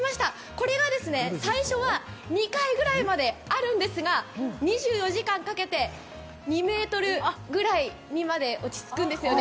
これが最初は２階ぐらいまであるんですが２４時間かけて２ｍぐらいにまで落ち着くんですよね。